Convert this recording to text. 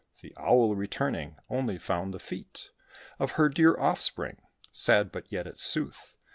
The Owl, returning, only found the feet Of her dear offspring: sad, but yet it's sooth.